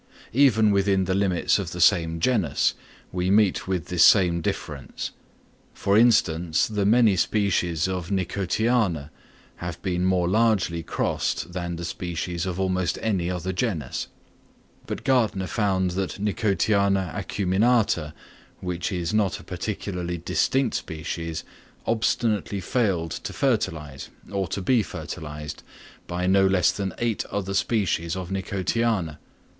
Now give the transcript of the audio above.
Even within the limits of the same genus, we meet with this same difference; for instance, the many species of Nicotiana have been more largely crossed than the species of almost any other genus; but Gärtner found that N. acuminata, which is not a particularly distinct species, obstinately failed to fertilise, or to be fertilised, by no less than eight other species of Nicotiana.